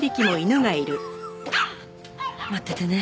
待っててね